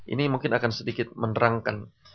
ini mungkin akan sedikit menerangkan